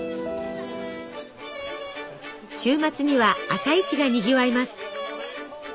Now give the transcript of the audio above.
週末には朝市がにぎわいます。